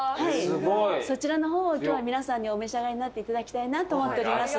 そちらの方を今日は皆さんにお召し上がりになっていただきたいなと思っております